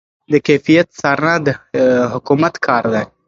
د کیفیت څارنه د حکومت کار دی.